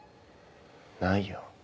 ないよ。